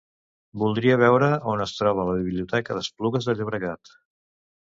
Voldria veure on es troba la biblioteca d'Esplugues de Llobregat.